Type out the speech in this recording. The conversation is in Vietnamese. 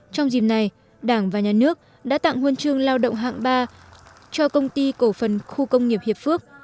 trong dịp này đảng và nhà nước đã tặng huân chương lao động hạng ba cho công ty cổ phần khu công nghiệp hiệp phước